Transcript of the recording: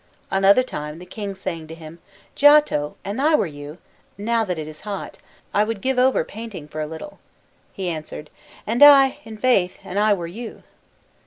Another time, the King saying to him, "Giotto, an I were you, now that it is hot, I would give over painting for a little;" he answered, "And I, i' faith, an I were you."